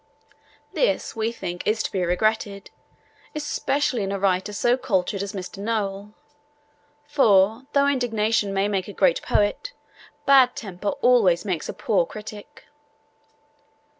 This, we think, is to be regretted, especially in a writer so cultured as Mr. Noel. For, though indignation may make a great poet, bad temper always makes a poor critic.